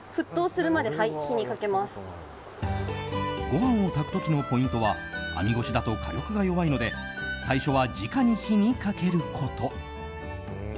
ご飯を炊く時のポイントは網越しだと火力が弱いので最初は、じかに火にかけること。